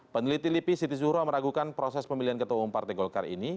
peneliti lipi siti zuhro meragukan proses pemilihan ketua umum partai golkar ini